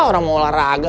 orang mau olahraga